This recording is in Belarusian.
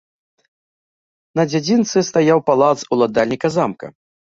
На дзядзінцы стаяў палац уладальніка замка.